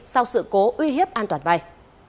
sau sự cố uy hiếp an toàn bay